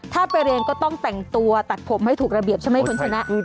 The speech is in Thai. ถ้าไปเรียนก็ต้องแต่งตัวตัดผมให้ถูกระเบียบใช่ไหมคุณชนะ